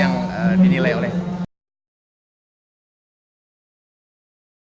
kami menilai pemerintahan program kerja yang jarang berjalan